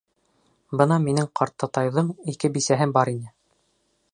Бына минең ҡартатайҙың ике бисәһе бар ине.